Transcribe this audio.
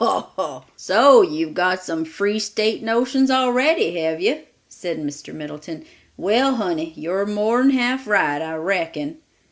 "Ho, ho! So you've got some free State notions already, have you?" said Mr. Middleton. "Well, honey, you're more'n half right, I reckon."